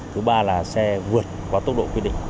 thứ ba là xe vượt qua tốc độ quy định